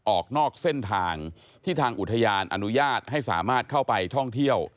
ออกนอกเส้นทางที่ทางอุทยานอนุญาตให้สามารถเข้าไปท่องเที่ยว